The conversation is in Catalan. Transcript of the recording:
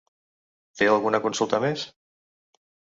Té alguna consulta més?